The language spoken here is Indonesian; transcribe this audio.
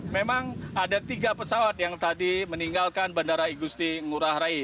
memang ada tiga pesawat yang tadi meninggalkan bandara igusti ngurah rai